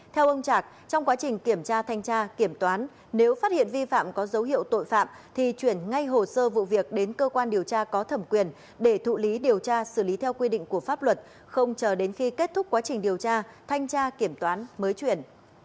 theo ông trạc trong quá trình kiểm tra thanh tra kiểm toán nếu phát hiện vi phạm có dấu hiệu tội phạm thì chuyển ngay hồ sơ vụ việc đến cơ quan điều tra có thẩm quyền để thụ lý điều tra xử lý theo quy định của pháp luật không chờ đến khi kết thúc quá trình điều tra thanh tra kiểm toán mới chuyển